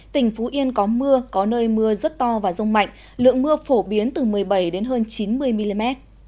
tỉnh phú yên có mưa có nơi mưa rất to và rông mạnh lượng mưa phổ biến từ một mươi bảy đến hơn chín mươi mm